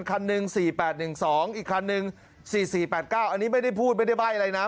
คันหนึ่ง๔๘๑๒อีกคันนึง๔๔๘๙อันนี้ไม่ได้พูดไม่ได้ใบ้อะไรนะ